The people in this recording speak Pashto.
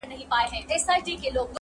o انساني ارزښتونه کمزوري کيږي ډېر,